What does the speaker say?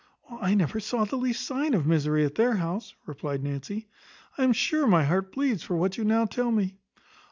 "I never saw the least sign of misery at her house," replied Nancy; "I am sure my heart bleeds for what you now tell me."